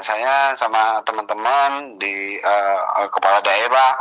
saya sama teman teman di kepala daerah